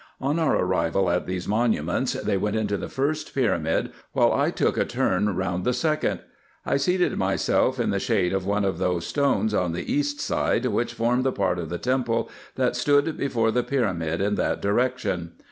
On our arrival at these monuments they went into the first pyramid, while I took a turn round the second. I seated myself in the shade of one of those stones on the east side, which form the part of the temple that stood before the pyramid in that direction.